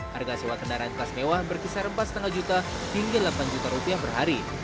harga sewa kendaraan kelas mewah berkisar empat lima juta hingga delapan juta rupiah per hari